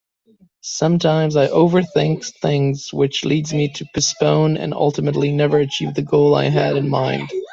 Sometimes I overthink things which leads me to postpone and ultimately never achieve the goal I had in mind.